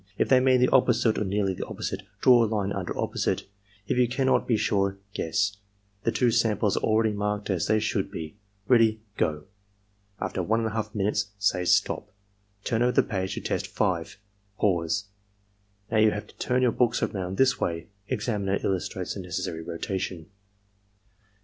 If they mean the opposite or nearly the opposite, draw a line under opposite. If you can not be sure, guess. The two samples are already marked as they should be.' — ^Ready — Go!'' After lV» minutes, say "STOP! Turn over the page to Test 5." "Now you have to turn your books around this way." (Examiner illustrates the necessary rotation.)